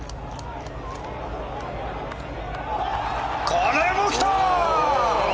これも来た！